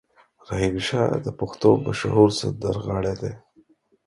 رحیم شا د پښتو مشهور سندرغاړی دی.